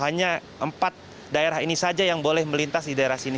hanya empat daerah ini saja yang boleh melintas di daerah sini